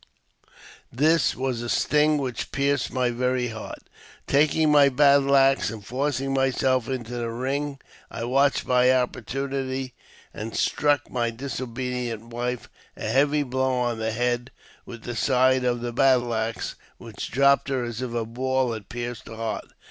This was a sting which pierced my very heart. Taking my battle axe, and forcing myself into the ring, I watched my opportunity, and struck my disobedient wife a heavy blow on the head with the side of my battle axe, which dropped her as if a ball had pierced her heart.